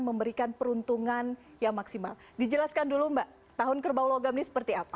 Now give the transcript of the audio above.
memberikan peruntungan yang maksimal dijelaskan dulu mbak tahun kerbau logam ini seperti apa